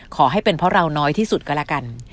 ขอให้เป็นเพราะเราน้อยที่สุดก็แล้วกัน